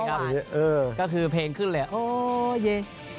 ใช่ครับคือเพลงขึ้นเลยโอเย